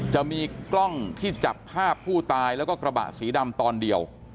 จะมีกล้องที่จับภาพผู้ตายแล้วก็กระบะสีดำตอนเดียว